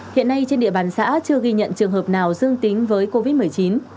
hiện nay trên địa bàn xã chưa ghi nhận trường hợp nào dương tính với covid một mươi chín